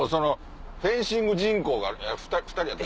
フェンシング人口が２人やった？